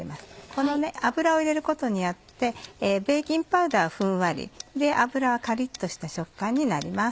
この油を入れることによってベーキングパウダーはふんわり油はカリっとした食感になります。